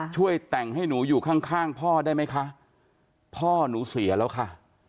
ช่วยแต่งให้หนูอยู่ข้างข้างพ่อได้ไหมคะพ่อหนูเสียแล้วค่ะ